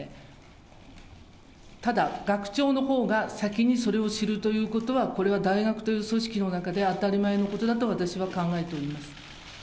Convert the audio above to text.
ただ、学長のほうが先にそれを知るということは、これは大学という組織の中で当たり前のことだと私は考えております。